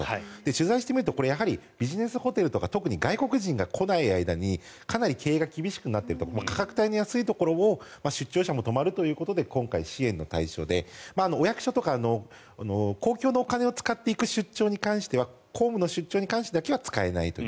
取材してみるとビジネスホテルとか外国人が来ない間にかなり経営が厳しくなっているところも価格帯の安いところを出張者も泊まるということで今回支援の対象でお役所とか公共のお金を使っていく出張に関しては公務の出張に関してだけは使えないと。